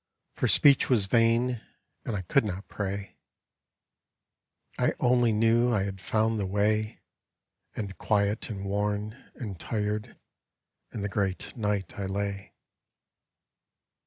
For speech was vain, and I could not pray. •.. I only knew I had found the way. And quiet and worn and tired in the great night I lay.